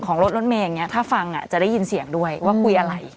ของรถแฮงถ้าฟังอ่ะจะได้ยินเสียงด้วยว่าคุยอะไร